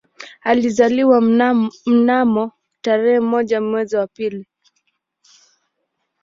Alizaliwa mnamo tarehe moja mwezi wa pili